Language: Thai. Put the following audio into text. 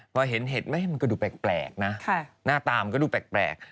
พอเห็นเห็ดไหมมันก็ดูแปลกนะหน้าตามันก็ดูแปลก